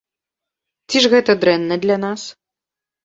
Ці ж гэта дрэнна для нас?